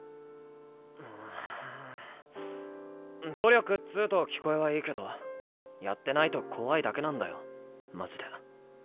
うん努力っつぅと聞こえはいいけどやってないと怖いだけなんだよマジで。